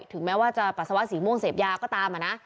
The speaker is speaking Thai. ถึงแม้ว่าจะปัสสาวะสีม่วงเสพยาก็ตาม